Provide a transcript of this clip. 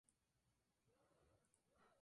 Ésta empieza su primer año en Hogwarts.